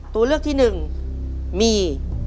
ตัวเลือกที่๑มี